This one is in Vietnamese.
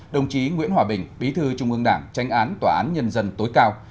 đồng chí nguyễn hòa bình bí thư trung ương đảng tranh án tòa án nhân dân tối cao